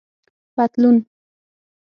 👖پطلون